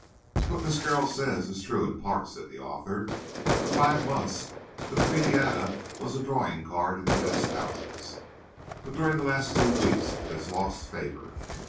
"What Miss Carroll says is true in part," said the author. "For five months the comedietta was a drawing card in the best houses. But during the last two weeks it has lost favour.